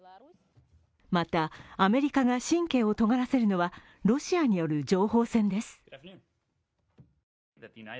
また、アメリカが神経をとがらせるのはロシアによる情報戦です。